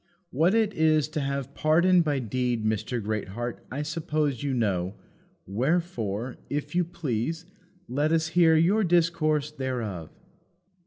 What it is to have pardon by deed, Mr. Greatheart, I suppose you know; wherefore, if you please, let us hear your discourse thereof."